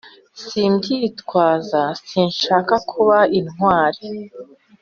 Simbyitwaza sinshaka kuba intwari